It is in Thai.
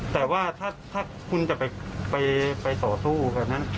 แต่ว่าถ้าคุณจะไปต่อสู้แบบนั้น